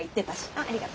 ありがと。